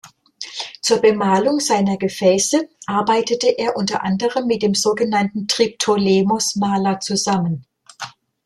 Zur Bemalung seiner Gefäße arbeitete er unter anderem mit dem sogenannten Triptolemos-Maler zusammen.